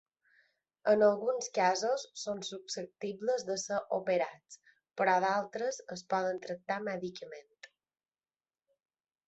En alguns casos, són susceptibles de ser operats, però d'altres es poden tractar mèdicament.